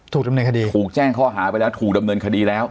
ดำเนินคดีถูกแจ้งข้อหาไปแล้วถูกดำเนินคดีแล้ว